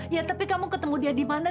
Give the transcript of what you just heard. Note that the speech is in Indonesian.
ya tapi kamu ketemu dia di mana